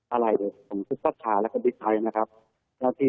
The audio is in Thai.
อาหร่ายของซุฟปัสค่าและก็ดีไทซ์